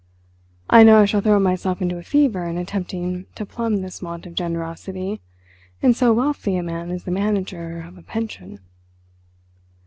I know I shall throw myself into a fever in attempting to plumb this want of generosity in so wealthy a man as the manager of a pension.